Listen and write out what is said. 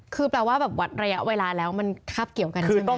คือแปลว่าแบบวัดระยะเวลาแล้วมันคาบเกี่ยวกันใช่ไหม